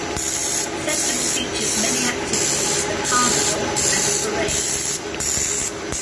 The festival features many activities, a carnival, and a parade.